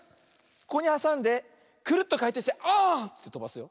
ここにはさんでクルッとかいてんしてあってとばすよ。